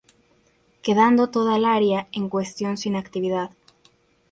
Quedando toda el área en cuestión sin actividad.